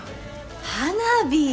花火！